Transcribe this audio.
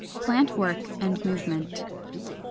PLANT WORK AND MOVEMENT. 458.